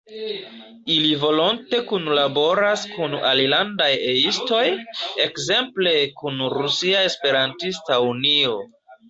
Ili volonte kunlaboras kun alilandaj E-istoj, ekzemple kun Rusia Esperantista Unio.